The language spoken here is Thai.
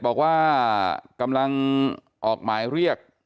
บอกว่ากำลังออกหมายเรียก